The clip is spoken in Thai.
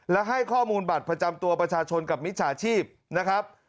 และให้ข้อมูลบัตรประจำตัวประชาชนกับมิจฉาชีพนะครับ